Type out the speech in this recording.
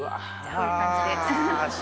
こういう感じで。